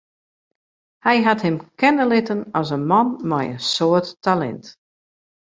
Hy hat him kenne litten as in man mei in soad talint.